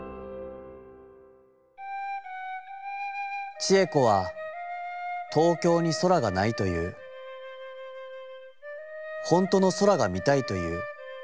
「智恵子は東京に空が無いといふ、ほんとの空が見たいといふ。